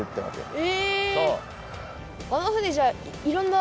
え。